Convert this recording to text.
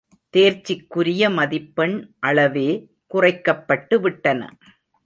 தேர்ச்சிக்குரிய மதிப்பெண் அளவே குறைக்கப்பட்டு விட்டன!